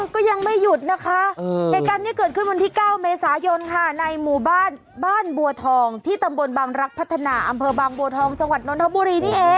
ก็ยังไม่หยุดนะคะเหตุการณ์นี้เกิดขึ้นวันที่๙เมษายนค่ะในหมู่บ้านบ้านบัวทองที่ตำบลบางรักพัฒนาอำเภอบางบัวทองจังหวัดนทบุรีนี่เอง